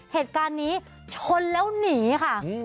เหตุการณ์นี้ชนแล้วหนีค่ะ